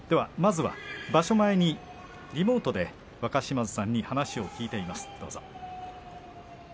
まずは場所前にリモートで若嶋津さんに話を聞いています。